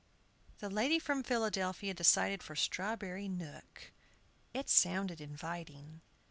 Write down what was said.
The lady from Philadelphia decided for Strawberry Nook it sounded inviting.